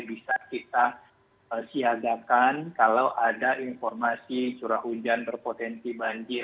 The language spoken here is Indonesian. bisa kita siagakan kalau ada informasi curah hujan berpotensi banjir